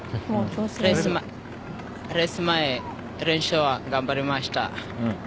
レース前、練習を頑張りました。